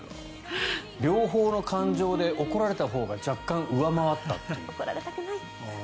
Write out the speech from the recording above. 両方の感情で怒られたほうが若干上回ったっていう。